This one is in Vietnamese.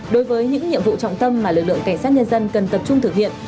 đối với những nhiệm vụ trọng tâm mà lực lượng cảnh sát nhân dân cần tập trung thực hiện